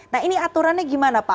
nah ini aturannya gimana pak